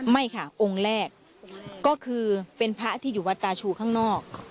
ไม่ค่ะองค์แรกก็คือเป็นพระที่อยู่วัดตาชูข้างนอก